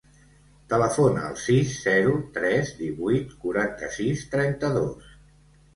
Telefona al sis, zero, tres, divuit, quaranta-sis, trenta-dos.